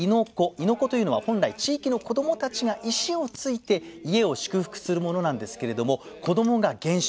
亥の子というのは本来地域の子供たちが石をついて家を祝福するものなんですけれども子供が減少。